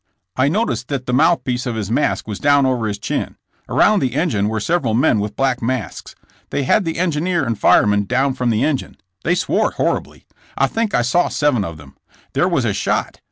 I noticed that the mouthpiece of his mask was down over his chin. Around the engine were several men with black masks. They had the engineer and fireman down from the engine. They swore horribly. I think I saw seven of them. There was a shot.